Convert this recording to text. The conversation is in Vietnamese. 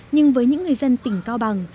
nhưng với những người dân tỉnh cao bằng